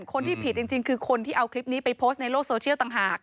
คนที่ผิดจริงคือคนที่เอาคลิปนี้ไปโพสต์ในโลกโซเชียลต่างหาก